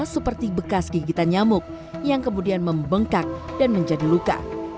seperti bekas gigitan nyamuk yang kemudian membengkak dan menjadi luka